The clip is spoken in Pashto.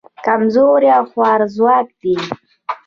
کمزوري او خوارځواکه دي.